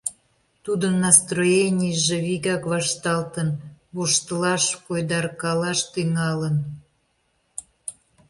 Тудын настроенийже вигак вашталтын, воштылаш, койдаркалаш тӱҥалын.